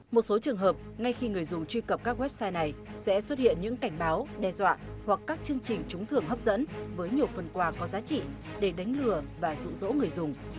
một số trường hợp ngay khi người dùng truy cập các website này sẽ xuất hiện những cảnh báo đe dọa hoặc các chương trình trúng thường hấp dẫn với nhiều phần quà có giá trị để đánh lừa và dụ dỗ người dùng